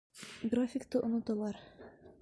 Графикты оноталар!